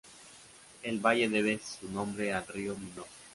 El valle debe su nombre al río Miñor.